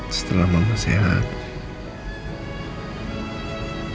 setelah mama sehat